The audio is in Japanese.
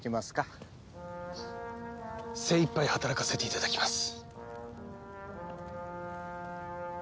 精いっぱい働かせていただきます。